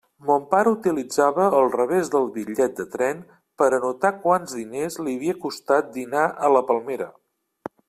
Mon pare utilitzava el revés del bitllet de tren per a anotar quants diners li havia costat dinar a La Palmera.